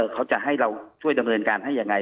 เขาจะให้เราช่วยดำเนินการให้ยังไง